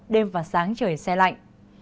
đêm và sáng trời xe lạnh